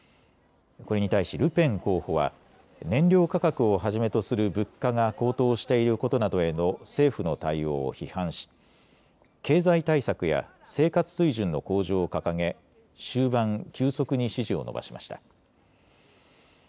これに対しルペン候補は燃料価格をはじめとする物価が高騰していることなどへの政府の対応を批判し経済対策や生活水準の向上を掲げ終盤、急速に支持を伸ばしました。